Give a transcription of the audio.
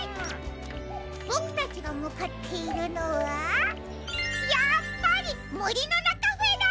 ボクたちがむかっているのはやっぱりモリノナカフェだ！